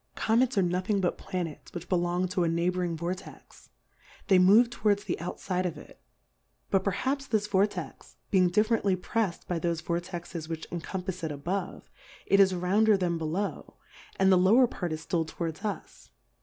Comets are no thing but Planets, which belong to a Neighbouring Vortex, they move to wards the out fide of it ; but perhaps this Vortex being differently prefs'd by thofe Vortexes which encompafs it, a bove, it is rounder than below, and the lower Part is ftill towards us.